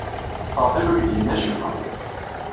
Faḍil ur iyi-d-yenni acemma.